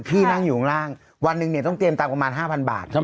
พี่นั่งอยู่ข้างล่างวันหนึ่งเนี่ยต้องเตรียมตังค์ประมาณ๕๐๐บาท